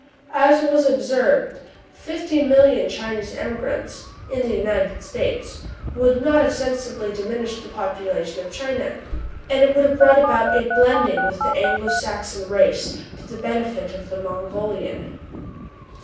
*' As was observed, fifty million Chinese emigrants in the United States would not have sensibly 1 8 TRIBULATIONS OF A CHINAMAN, diminished the population of China, and it would have brought about a blending with the Anglo Saxon race, to the benefit of the Mongolian.